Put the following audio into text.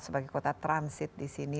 sebagai kota transit disini